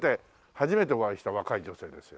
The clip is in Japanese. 初めてお会いした若い女性ですよ。